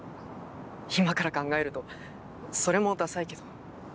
今から考えるとそれもダサイけど。